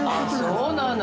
◆そうなの？